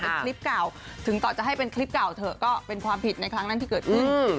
เป็นคลิปเก่าถึงต่อจะให้เป็นคลิปเก่าเถอะก็เป็นความผิดในครั้งนั้นที่เกิดขึ้น